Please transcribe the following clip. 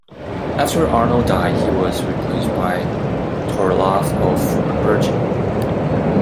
After Arnold died, he was replaced by Torlav of Bergen.